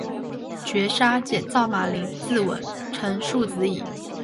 绝杀，减灶马陵自刎，成竖子矣